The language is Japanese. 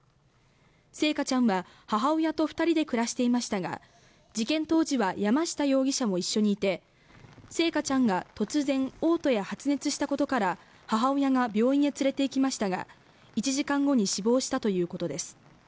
星華ちゃんは母親と二人で暮らしていましたが事件当時は山下容疑者も一緒にいて星華ちゃんが突然嘔吐や発熱したことから母親が病院へ連れていきましたが１時間後に死亡したということです